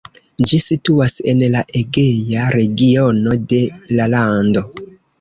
Ĝi situas en la Egea regiono de la lando.